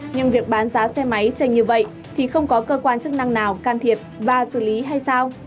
nhưng việc bán giá xe máy trên như vậy thì không có cơ quan chức năng nào can thiệp và xử lý hay sao